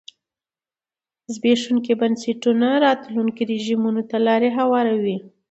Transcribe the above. زبېښونکي بنسټونه راتلونکو رژیمونو ته لار هواروي.